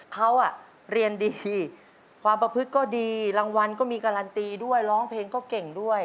เขาเรียนดีความประพฤติก็ดีรางวัลก็มีการันตีด้วยร้องเพลงก็เก่งด้วย